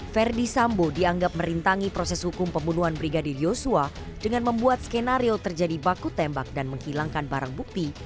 verdi sambo dianggap merintangi proses hukum pembunuhan brigadir yosua dengan membuat skenario terjadi baku tembak dan menghilangkan barang bukti